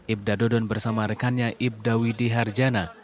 ibda dodon bersama rekannya ibda widiharjana